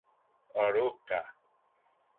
Arouca.